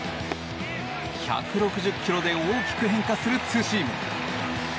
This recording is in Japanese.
１６０ｋｍで大きく変化するツーシーム。